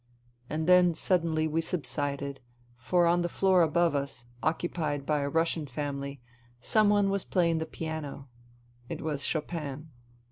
And then, suddenly, we subsided, for on the floor above us, occupied by a Russian family, some one was playing the piano. It was Chopin.